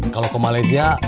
kalau ke malaysia